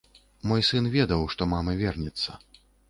Мой сын ведаў, што мама вернецца.